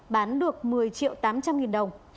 bán được một mươi triệu tám trăm linh nghìn đồng